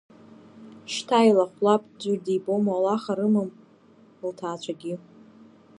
Шьҭа еилахәлап, ӡәыр дибома, лаха рымам лҭаацәагьы.